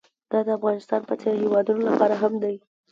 دا د افغانستان په څېر هېوادونو لپاره هم دی.